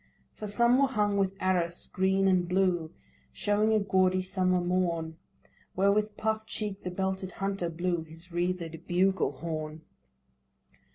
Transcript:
For some were hung with arras green and blue, Showing a gaudy summer morn, Where with puff'd cheek the belted hunter blew His wreathed bugle horn.